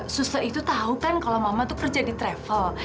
suster itu tahu kan kalau mama tuh kerja di travel